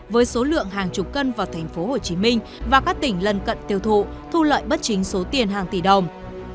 với số lượng hàng chục cân vào tp hcm và các tỉnh lân cận tiêu thụ thu lợi bất chính số tiền hàng tỷ đồng